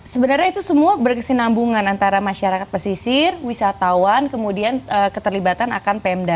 sebenarnya itu semua berkesinambungan antara masyarakat pesisir wisatawan kemudian keterlibatan akan pemda